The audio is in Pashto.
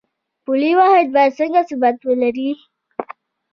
پولي واحد باید څنګه ثبات ولري؟